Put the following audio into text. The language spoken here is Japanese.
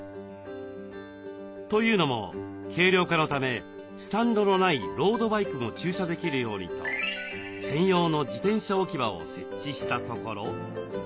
というのも軽量化のためスタンドのないロードバイクも駐車できるようにと専用の自転車置き場を設置したところ。